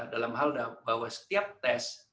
dalam hal bahwa setiap tes